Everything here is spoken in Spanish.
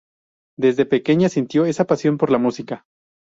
Desde pequeña sintió esa pasión por la música.